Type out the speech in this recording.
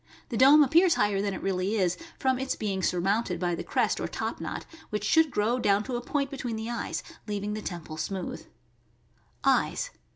The dome ap pears higher than it really is, from its being surmounted by the crest or top knot, which should grow down to a point between the eyes, leaving the temple smooth. Eyes.